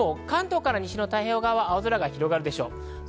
一方、関東から西の太平洋側は青空が広がるでしょう。